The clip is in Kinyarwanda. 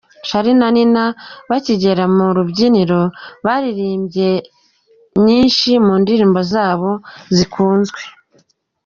Charly na Nina bakigera ku rubyiniro baririmbye nyinshi mu ndirimbo zabo zikunzwe.